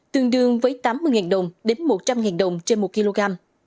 tương đương với tám mươi đồng đến một trăm linh đồng